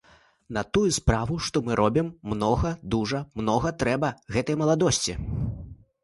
На тую справу, што мы робім, многа, дужа многа трэба гэтае маладосці.